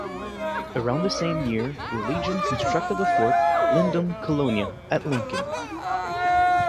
Around the same year, the legion constructed a fort, Lindum Colonia, at Lincoln.